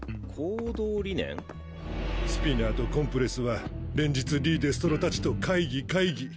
スピナーとコンプレスは連日リ・デストロ達と会議会議。